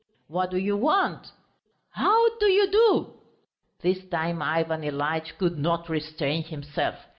"What do you want?" "How do you do!" This time Ivan Ilyitch could not restrain himself.